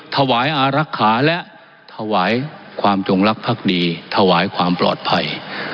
ถวายอารักษาและถวายความจงรักภักดีถวายความปลอดภัย